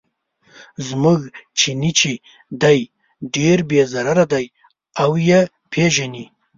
زموږ چیني چې دی ډېر بې ضرره دی او یې پیژني.